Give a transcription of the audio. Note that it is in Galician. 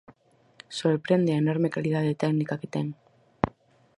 Sorprende a enorme calidade técnica que ten.